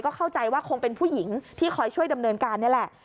เข้าใจว่าคงเป็นผู้หญิงที่คอยช่วยดำเนินการนี่แหละ